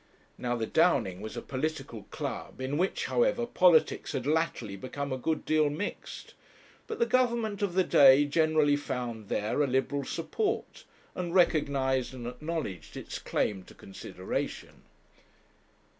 Now, the Downing was a political club, in which, however, politics had latterly become a good deal mixed. But the Government of the day generally found there a liberal support, and recognized and acknowledged its claim to consideration.